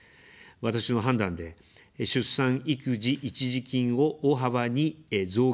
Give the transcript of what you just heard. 私の判断で、出産育児一時金を大幅に増額いたします。